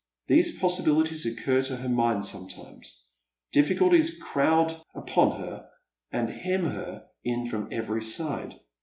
These possibilities occur to her mind sometimes. Difficulties crowd upon her and hem her in on every side.